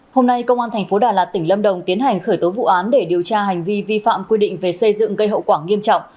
hôm nay công an thành phố đà lạt tỉnh lâm đồng tiến hành khởi tố vụ án để điều tra hành vi vi phạm quy định về xây dựng cây hậu quảng nghiêm trọng